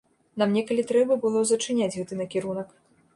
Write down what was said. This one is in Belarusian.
Нам некалі трэба было зачыняць гэты накірунак.